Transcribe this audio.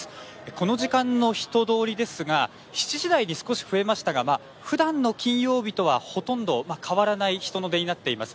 この時間の人通りですが７時台に少し増えましたがふだんの金曜日とはほとんど変わらない人の出になっています。